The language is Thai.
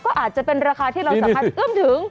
ก็อาจจะเป็นราคาที่เราสามารถเอื้อมถึง